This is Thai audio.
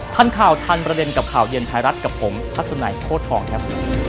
ทันข่าวทันประเด็นกับข่าวเย็นไทยรัฐกับผมทัศนัยโคตรทองครับ